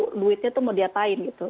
itu duitnya itu mau diatain gitu